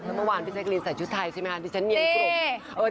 เมื่อวานมีใส่ชุดใสที่ฉันเงียนกลม